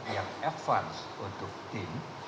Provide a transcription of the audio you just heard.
yang advance untuk tim